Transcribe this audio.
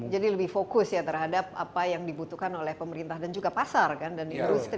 jadi lebih fokus ya terhadap apa yang dibutuhkan oleh pemerintah dan juga pasar dan industri